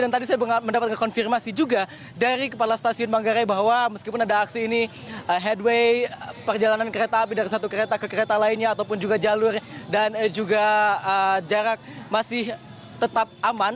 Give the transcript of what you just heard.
dan tadi saya mendapatkan konfirmasi juga dari kepala stasiun manggarai bahwa meskipun ada aksi ini headway perjalanan kereta api dari satu kereta ke kereta lainnya ataupun juga jalur dan juga jarak masih tetap aman